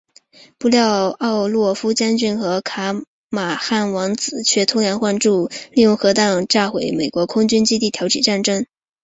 不料奥洛夫将军和卡马汉王子却偷梁换柱利用核弹炸毁美国空军基地挑起战争。